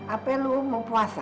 apa lu mau puasa